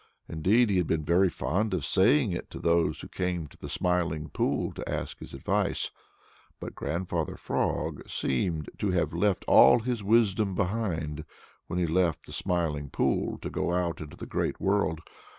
Indeed, he had been very fond of saying it to those who came to the Smiling Pool to ask his advice. But Grandfather Frog seemed to have left all his wisdom behind him when he left the Smiling Pool to go out into the Great World.